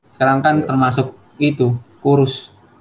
sekarang kan termasuk itu kurus